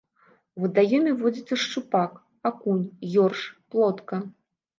У вадаёме водзіцца шчупак, акунь, ёрш, плотка.